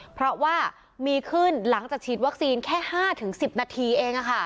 เพราะว่ามีขึ้นหลังจากฉีดวัคซีนแค่๕๑๐นาทีเอง